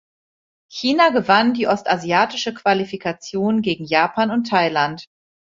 China gewann die ostasiatische Qualifikation gegen Japan und Thailand.